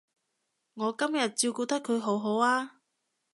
我今日照顧得佢好好啊